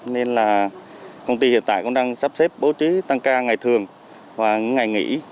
nên là công ty hiện tại cũng đang sắp xếp bố trí tăng ca ngày thường và ngày nghỉ